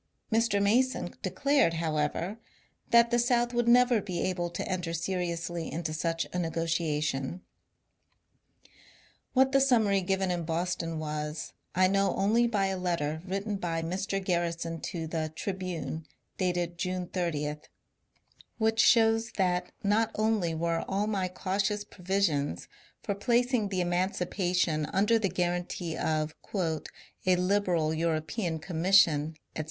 Mr. Mason declared, however, that the South would never be able to enter seriously into such a ne gotiation. What the summary given in Boston was, I know only by a letter written by Mr. Garrison to the " Tribune," dated June 30, which shows that not only were all my cautious provisions for placing the emancipation under the guarantee of *^ a liberal European commission, etc.